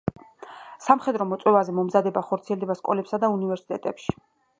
სამხედრო მოწვევაზე მომზადება ხორციელდება სკოლებსა და უნივერსიტეტებში.